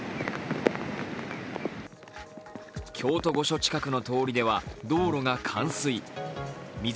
京都御所近くの通りでは道路が冠水。